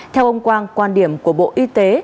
theo ông quang quan điểm của bộ y tế